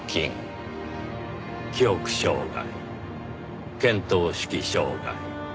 記憶障害見当識障害。